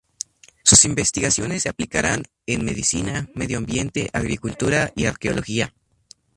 Sus investigaciones se aplicarán en Medicina, Medio Ambiente, Agricultura y Arqueología.